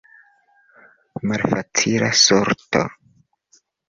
Malfacila sorto.